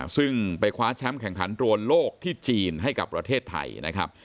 ซึ่งไปคว้าแชมป์แข่งขันรวนโลกที่จีนให้กับประเทศไทยนะครับ